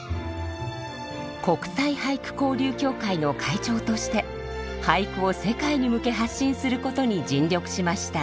国際俳句交流協会の会長として俳句を世界に向け発信することに尽力しました。